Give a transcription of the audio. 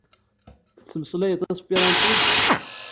Tettmeslayeḍ taspirantit?